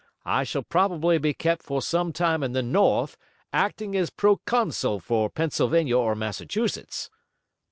I shall probably be kept for some time in the North, acting as proconsul for Pennsylvania or Massachusetts."